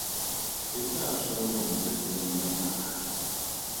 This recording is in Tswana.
E tlaa tshwarelwa mo lefelong la magae.